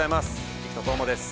生田斗真です。